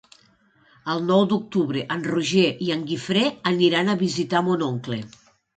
El nou d'octubre en Roger i en Guifré aniran a visitar mon oncle.